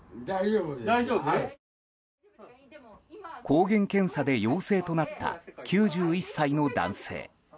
抗原検査で陽性となった９１歳の男性。